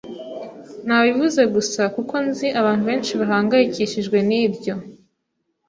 Nabivuze gusa kuko nzi abantu benshi bahangayikishijwe nibyo.